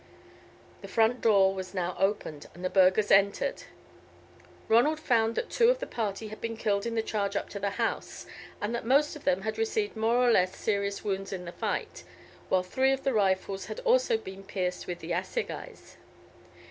The front door was now opened, and the burghers entered. Ronald found that two of the party had been killed in the charge up to the house, and that most of them had received more or less serious wounds in the fight, while three of the Rifles had also been pierced with the assegais.